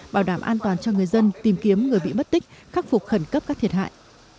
bảo đảm an toàn cho người dân tìm kiếm người bị mất tích khắc phục khẩn cấp các thiệt hại